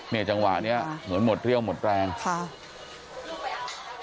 เนี่ยจังหวะเนี้ยเหมือนหมดเรี่ยวหมดแปลงครับ